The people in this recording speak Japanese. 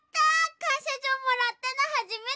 かんしゃじょうもらったのはじめて！